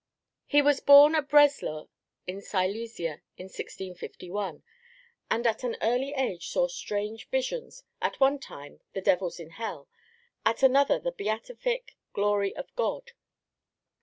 He was born at Breslau in Silesia in 1651, and at an early age saw strange visions, at one time the devils in hell, at another the Beatific Glory of God.